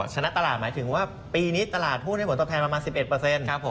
ชนะตลาดหมายถึงว่าปีนี้ตลาดหุ้นให้ผลตอบแทนประมาณ๑๑